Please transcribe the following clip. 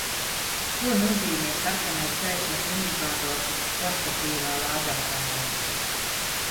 Ko nozīmē sarkanais gaismas indikators uz portatīvā lādētāja?